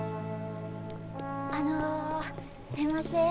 あのすいません。